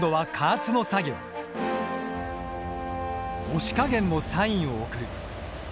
押し加減もサインを送る。